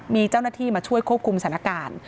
มีเจ้าหน้าที่มาช่วยควบคุมสถานการณ์